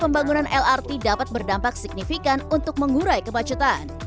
pembangunan lrt dapat berdampak signifikan untuk mengurai kemacetan